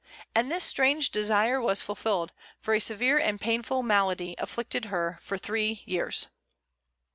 And this strange desire was fulfilled, for a severe and painful malady afflicted her for three years.